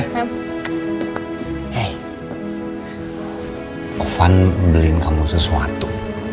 hey ofan beli kamu sesuatu